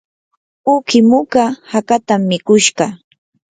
uqi muka hakatam mikushqa.